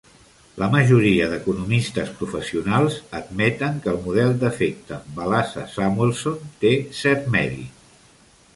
La majoria d'economistes professionals admeten que el model d'efecte Balassa-Samuelson té cert mèrit.